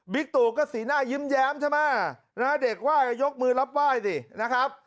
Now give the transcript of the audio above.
บิ๊กตูก็สีหน้ายิ้มแย้มใช่ไหมนะฮะเด็กว่ายยกมือรับว่ายสินะครับ